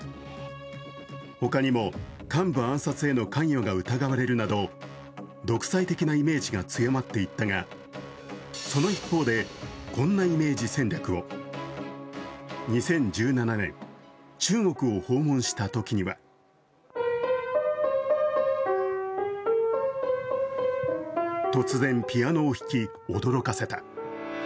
他にも幹部暗殺への関与が疑われるなど独裁的なイメージが強まっていったが、その一方でこんなイメージ戦略を２０１７年、中国を訪問したときには突然、ピアノを弾き、驚かせた。